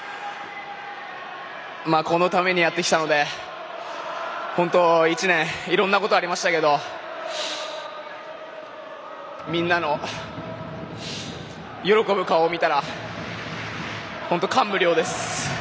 このためにやってきたので本当、１年いろんなことがありましたけどみんなの喜ぶ顔を見たら本当、感無量です。